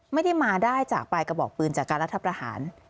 ไม่ได้มาได้จากปลายกระบอกปืนจากการรัฐประหาร